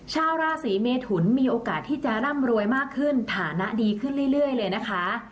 ชาวราศีเมทุนมีโอกาสที่จะร่ำรวยมากขึ้นฐานะดีขึ้นเรื่อยเลยนะคะ